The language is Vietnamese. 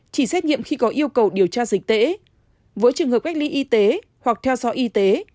chỉ xét nghiệm khi có yêu cầu điều tra dịch tễ với trường hợp cách ly y tế hoặc theo dõi y tế